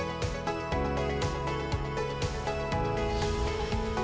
masalah pembangunan air limbah